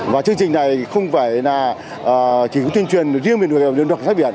và chương trình này không phải là chỉ thuyên truyền riêng về lực lượng cảnh sát biển